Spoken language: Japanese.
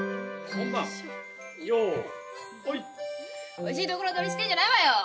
おいしいところ取りしてんじゃないわよ！